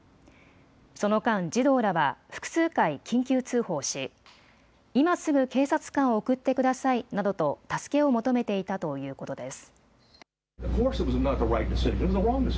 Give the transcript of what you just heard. その間、児童らは複数回緊急通報し今すぐ警察官を送ってくださいなどと助けを求めていたということです。